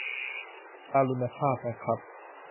การุณฆาต นะครับ